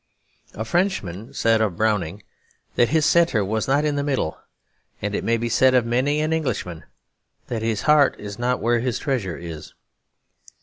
A Frenchman said of Browning that his centre was not in the middle; and it may be said of many an Englishman that his heart is not where his treasure is.